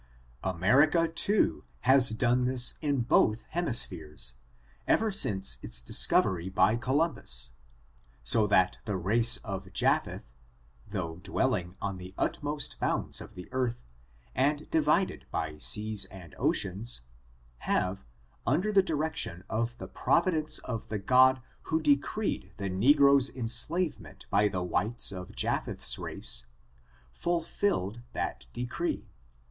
America, too, has done this in both hemispheres, ever since its discovery by Columbus, so that the race of Japheth, though dwelling on the utmost bounds of the earth, and divided by seas and oceans, have, under the direction of the providence of the God who decreed the negroes' enslavement by the whites of Japheth's race, fulfilled that decree.